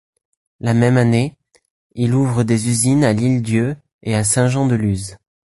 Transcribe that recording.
La même année, il ouvre des usines à l'Île-d'Yeu et à Saint-Jean-de-Luz.